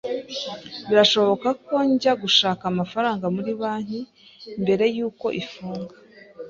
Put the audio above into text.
Birashoboka ko njya gushaka amafaranga muri banki mbere yuko ifunga.